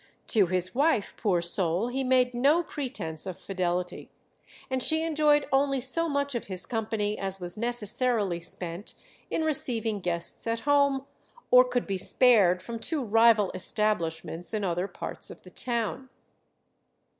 To his wife, poor soul, he made no pretence of fidelity, and she enjoyed only so much of his company as was necessarily spent in receiving guests at home, or could be spared from two rival establishments in other parts of the town.